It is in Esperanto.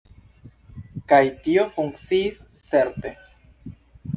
Kaj tio funkciis, certe.